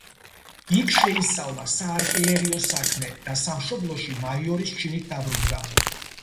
იქ შეისწავლა საარტილერიო საქმე და სამშობლოში მაიორის ჩინით დაბრუნდა.